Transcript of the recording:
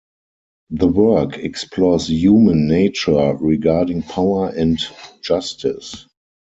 The work explores human nature regarding power and justice.